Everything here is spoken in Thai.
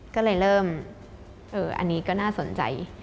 ก็เลยเริ่มอันนี้ก็น่าสนใจ